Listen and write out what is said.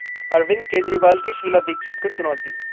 अरविंद केजरीवाल की शीला दीक्षित को चुनौती